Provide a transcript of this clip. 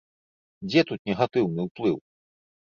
Дзе тут негатыўны ўплыў?